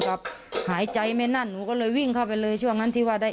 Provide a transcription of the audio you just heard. หายใจไม่นั่นหนูก็เลยวิ่งเข้าไปเลยช่วงนั้นที่ว่าได้